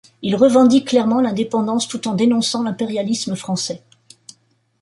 Il revendique clairement l'indépendance tout en dénonçant l'impérialisme français.